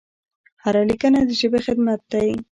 هره لیکنه د ژبې خدمت دی.